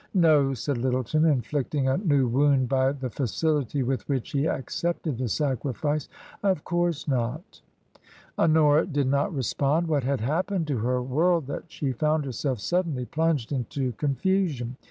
" No," said Lyttleton, inflicting a new wound by the facility with which he accepted the sacrifice, " of course not." Honora did not respond. What had happened to her world that she found herself suddenly plunged into con fusion